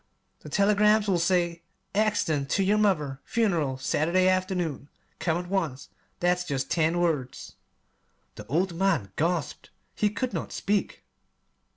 The telegrams will say: 'Accident to your mother. Funeral Saturday afternoon. Come at once.' That's jest ten words." The old man gasped. He could not speak.